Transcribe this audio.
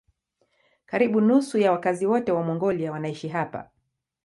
Karibu nusu ya wakazi wote wa Mongolia wanaishi hapa.